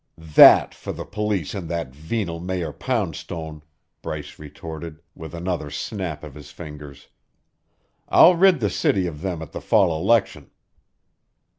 "That for the police and that venal Mayor Poundstone!" Bryce retorted, with another snap of his fingers. "I'll rid the city of them at the fall election."